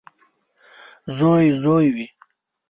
• زوی زوی وي.